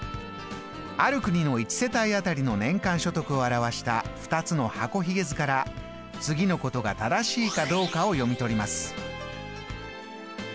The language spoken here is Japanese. ある国の１世帯あたりの年間所得を表した２つの箱ひげ図から次のことが正しいかどうかを読み取ります。